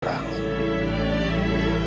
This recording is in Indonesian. baiklah pak med